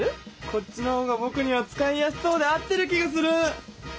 こっちのほうがぼくには使いやすそうで合ってる気がする！